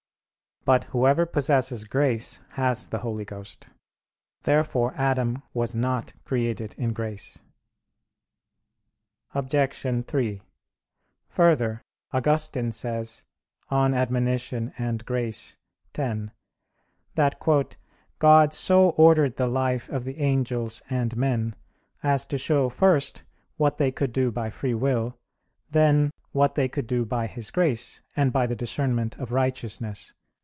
But whoever possesses grace has the Holy Ghost. Therefore Adam was not created in grace. Obj. 3: Further, Augustine says (De Correp. et Grat. x) that "God so ordered the life of the angels and men, as to show first what they could do by free will, then what they could do by His grace, and by the discernment of righteousness."